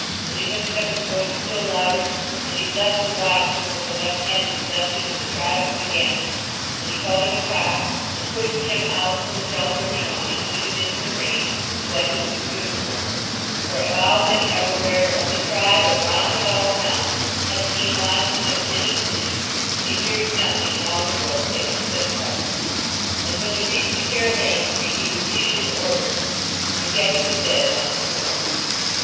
And he lifted up his voice still louder, and he blessed the watchman with the left handed blessing of the tribe of the Gamins, and he called him a Cop, and pushed him out from the shelter of the awning, even into the rain, and wet his new uniform. For Abou Ben Kvrawhair, of the tribe of Roun da Boutoun, had seen watchmen of many cities, and he feared nothing in all the world save a slick customer. And when they reached the caravanserai he repeated his order and gat him to bed once more.